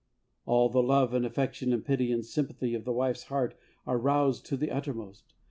" All the love and affection and pity and sympathy of the wife's heart are roused to the uttermost.